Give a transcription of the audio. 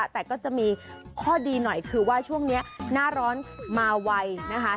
แต่ก็จะมีข้อดีหน่อยคือว่าช่วงนี้หน้าร้อนมาไวนะคะ